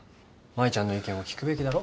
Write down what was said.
舞ちゃんの意見を聞くべきだろ。